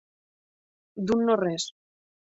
D'un no res.